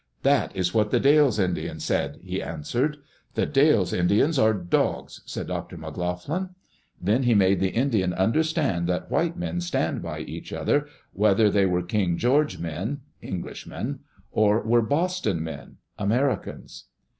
"That is what The Dalles Indians said," he answered. "The Dalles Indians are dogs I" said Dr. McLoughlin. Then he made die Indian understand that white men stand by each other, whether they were "King George men" (Englishmen) or were "Boston men" (Americans).